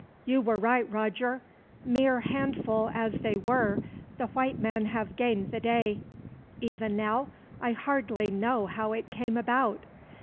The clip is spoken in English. You were right, Roger. Mere handful as they were, the white men have gained the day. Even now, I hardly know how it came about.